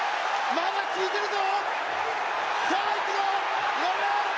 まだ効いてるぞ！